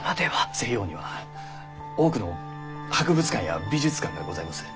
西洋には多くの博物館や美術館がございます。